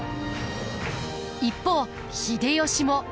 一方秀吉も。